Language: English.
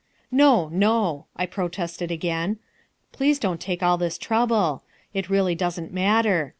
"No, no," I protested again, "please don't take all this trouble, it really doesn't matter.